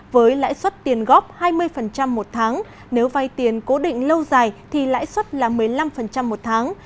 với lãi suất tiền góp hai mươi một tháng nếu vay tiền cố định lâu dài thì lãi suất là một mươi năm một tháng